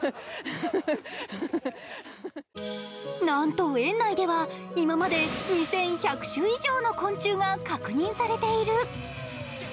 なんと園内では今まで２１００種以上の昆虫が確認されている。